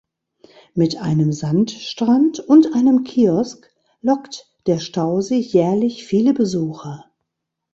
Mit einem Sandstrand und einem Kiosk lockt der Stausee jährlich viele Besucher.